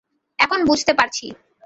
এখন বুঝতে পারছি।